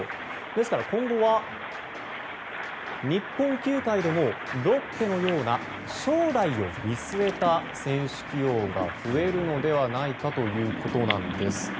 ですから今後は日本球界でもロッテのような将来を見据えた選手起用が増えるのではないかということです。